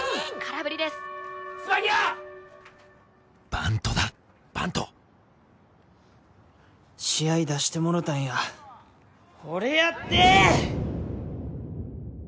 バントだバント試合出してもろたんや俺やって！